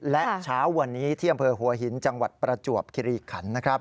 และเช้าวันนี้ที่อำเภอหัวหินจังหวัดประจวบคิริขันนะครับ